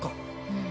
うん。